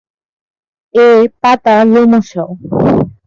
এর পাতা লোমশ।